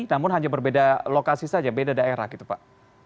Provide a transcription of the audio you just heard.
namun hanya berbeda lokasi saja beda daerah gitu pak